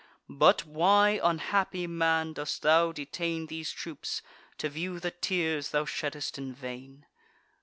But why, unhappy man, dost thou detain These troops, to view the tears thou shedd'st in vain?